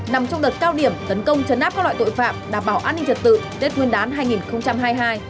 nằm trong đợt cao điểm tấn công chấn áp các loại tội phạm đảm bảo an ninh trật tự tết nguyên đán hai nghìn hai mươi hai